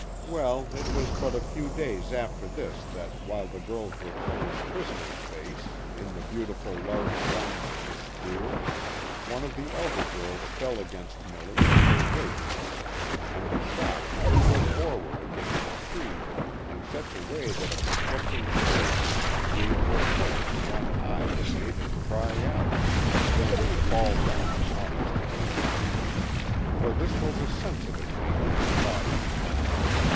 Well, it was but a few days after this that while the girls were playing "prisoner's base" in the beautiful large grounds of this school, one of the elder girls fell against Milly as they raced, and the shock threw her forward against a tree in such a way that a projecting twig gave her a hurt to the eye that made her cry out, then fall down almost fainting. 'For this was a sensitive nature, body and mind.